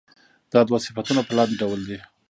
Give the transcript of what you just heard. دا دوه صفتونه په لاندې ډول دي.